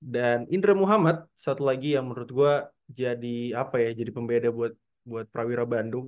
dan indra muhammad satu lagi yang menurut gue jadi apa ya jadi pembeda buat prawira bandung